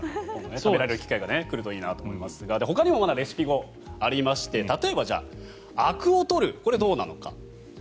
食べる機会がくればいいなと思いますがほかにもまだレシピ語、ありまして例えば、あくを取るこれはどうなのか。